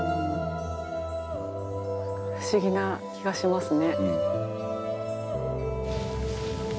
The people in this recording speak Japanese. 不思議な気がしますね。